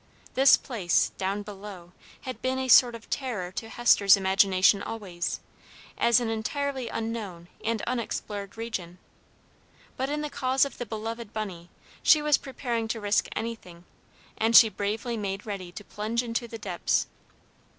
This place "down below" had been a sort of terror to Hester's imagination always, as an entirely unknown and unexplored region; but in the cause of the beloved Bunny she was prepared to risk anything, and she bravely made ready to plunge into the depths.